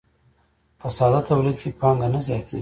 په ساده تولید کې پانګه نه زیاتېږي